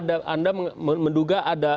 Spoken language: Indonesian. anda menduga ada